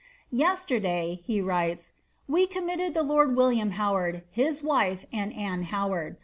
^ Teeterday," ha writea, wa cuBnaitHl the lord William Howard, hia wife, and Anne Howard.